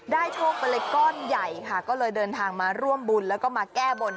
โชคไปเลยก้อนใหญ่ค่ะก็เลยเดินทางมาร่วมบุญแล้วก็มาแก้บน